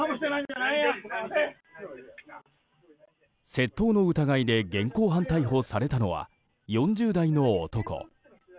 窃盗の疑いで現行犯逮捕されたのは４０代の男。